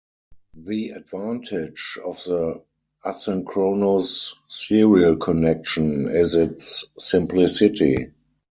The advantage of the asynchronous serial connection is its simplicity.